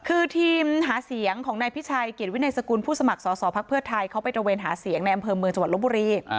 คือทีมหาเสียงของนายพิชัยเกียรติวินัยสกุลผู้สมัครสอสอภักดิ์เพื่อไทยเขาไปตระเวนหาเสียงในอำเภอเมืองจังหวัดลบบุรี